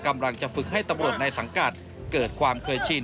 กำลังจะฝึกให้ตำรวจในสังกัดเกิดความเคยชิน